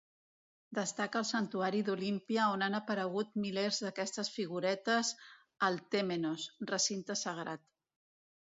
Destaca el santuari d'Olímpia on han aparegut milers d'aquestes figuretes al tèmenos, recinte sagrat.